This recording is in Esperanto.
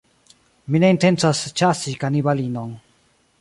Mi ne intencas ĉasi kanibalinon.